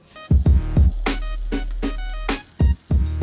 seporsi steak petel dihargai rp lima puluh lima